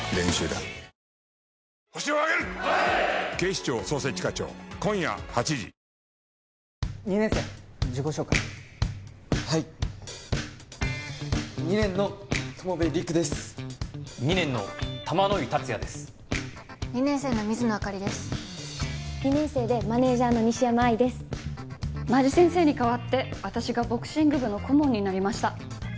間地先生に代わって私がボクシング部の顧問になりました。